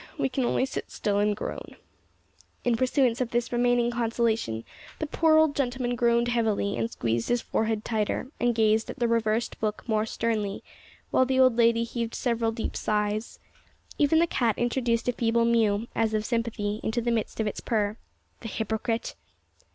We can only sit still and groan." In pursuance of this remaining consolation, the poor old gentleman groaned heavily and squeezed his forehead tighter, and gazed at the reversed book more sternly, while the old lady heaved several deep sighs. Even the cat introduced a feeble mew, as of sympathy, into the midst of its purr the hypocrite!